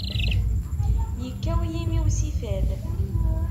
Yekkaw yimi-w si fad.